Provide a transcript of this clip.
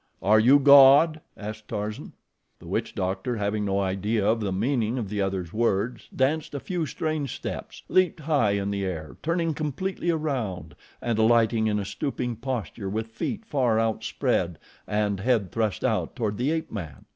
"Are you God?" asked Tarzan. The witch doctor, having no idea of the meaning of the other's words, danced a few strange steps, leaped high in the air, turning completely around and alighting in a stooping posture with feet far outspread and head thrust out toward the ape man.